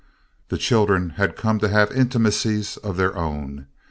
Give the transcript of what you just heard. The children had come to have intimacies of their own.